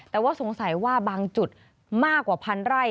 แต่ว่าสงสัยว่าบางจุดมากกว่าพันไร่